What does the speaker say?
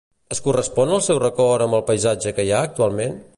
Es correspon el seu record amb el paisatge que hi ha actualment?